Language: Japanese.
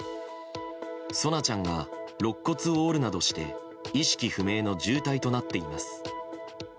蒼菜ちゃんが肋骨を折るなどして意識不明の重体となっています。